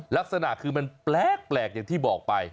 ลักษณะคือมันแปลกอย่างที่บอกไป